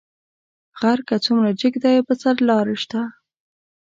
غر کۀ څومره جګ دى، پۀ سر يې لار شته.